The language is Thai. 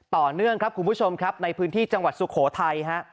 ต่อเนื่องครับคุณผู้ชมครับในพื้นที่จังหวัดสุโขทัยฮะ